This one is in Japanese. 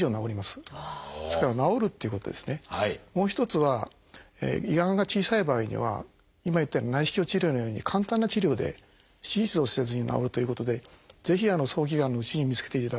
もう一つは胃がんが小さい場合には今言ったように内視鏡治療のように簡単な治療で手術をせずに治るということでぜひ早期がんのうちに見つけていただきたいと思います。